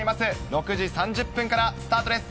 ６時３０分からスタートです。